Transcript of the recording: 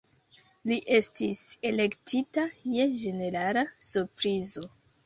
Li estis elektita je ĝenerala surprizo.